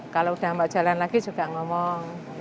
kalau udah nggak jalan lagi juga ngomong